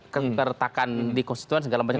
keretakan di konstituen segala macam